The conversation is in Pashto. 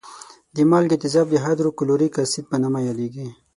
د مالګي تیزاب د هایدروکلوریک اسید په نامه یادېږي.